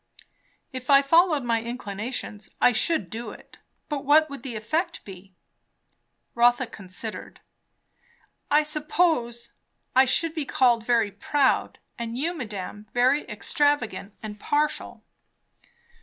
"If I followed my inclinations, I should do it But what would the effect be?" Rotha considered. "I suppose, I should be called very proud; and you, madame, very extravagant, and partial."